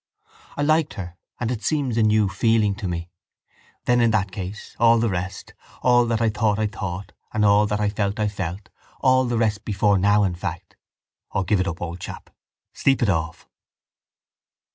I liked her and it seems a new feeling to me. Then, in that case, all the rest, all that I thought I thought and all that I felt I felt, all the rest before now, in fact... O, give it up, old chap! Sleep it off!